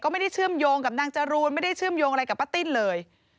ไม่ได้เชื่อมโยงกับนางจรูนไม่ได้เชื่อมโยงอะไรกับป้าติ้นเลย